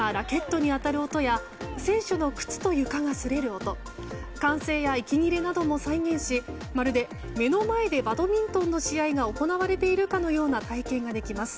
シャトルがラケットに当たる音や選手の靴と床がすれる音歓声や息切れなども再現しまるで目の前でバドミントンの試合が行われているかのような体験ができます。